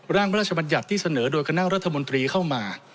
ร่างพระราชบัญญัติที่เสนอโดยคณะรัฐมนตรีเข้ามา